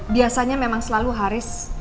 biasanya memang selalu haris